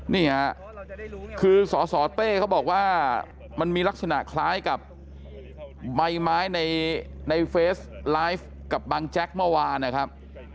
นี่ค่ะคือสสเต้เขาบอกว่ามันมีลักษณะคล้ายกับใบไม้ในเฟสไลฟ์กับบังแจ๊กเมื่อวานนะครับ